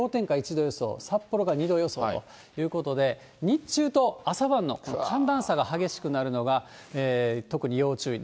１度予想、札幌が２度予想ということで、日中と朝晩の寒暖差が激しくなるのが、特に要注意。